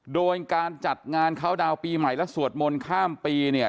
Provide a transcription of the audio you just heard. โดยการจัดงานเข้าดาวน์ปีใหม่และสวดมนต์ข้ามปีเนี่ย